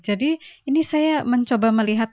jadi ini saya mencoba melihat